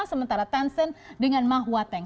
sementara tencent dengan mahwating